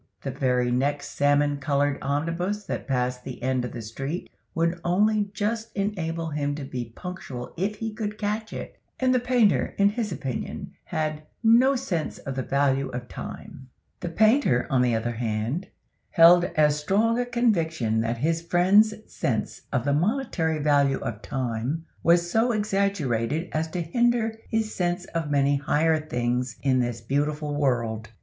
The very next salmon colored omnibus that passed the end of the street would only just enable him to be punctual if he could catch it, and the painter, in his opinion, had "no sense of the value of time." The painter, on the other hand, held as strong a conviction that his friend's sense of the monetary value of time was so exaggerated as to hinder his sense of many higher things in this beautiful world.